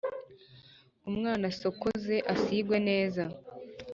Umwana asokoze asigwe neza